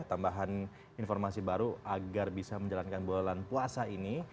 tambahan informasi baru agar bisa menjalankan bulan puasa ini